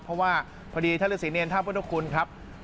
เพราะว่าพอดีท่านฤทธิ์ศรีเนียนท่าพวกทุกคุณครับ